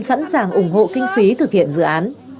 sẵn sàng ủng hộ kinh phí thực hiện dự án